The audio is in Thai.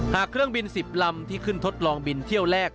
เครื่องบิน๑๐ลำที่ขึ้นทดลองบินเที่ยวแรก